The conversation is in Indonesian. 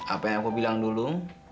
apa yang aku bilang dulu